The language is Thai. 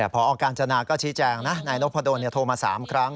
พอออกการจนาก็ชี้แจ้งนายนกพะดนโทรมา๓ครั้ง